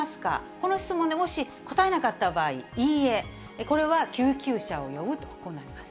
この質問でもし応えなかった場合、いいえ、これは救急車を呼ぶと、こうなります。